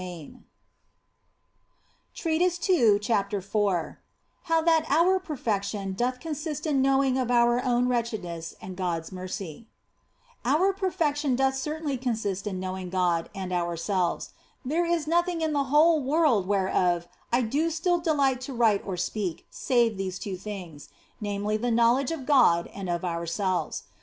40 THE BLESSED ANGELA CHAPTER IV HOW THAT OUR PERFECTION DOTH CONSIST IN KNOWING OUR OWN WRETCHEDNESS AND GOD S MERCY OUR perfection doth certainly consist in knowing God and ourselves ; there is nothing in the whole world whereof I do still delight to write or speak save these two things, namely, the knowledge of God and of ourselves.